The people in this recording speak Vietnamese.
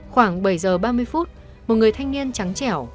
khoảng bảy giờ ba mươi phút một người thanh niên trắng chẻo